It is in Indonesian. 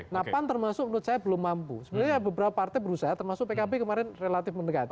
nah pan termasuk menurut saya belum mampu sebenarnya beberapa partai berusaha termasuk pkb kemarin relatif mendekati